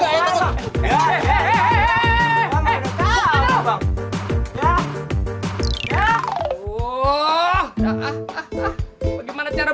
udah bang godotnya godot bang udah godot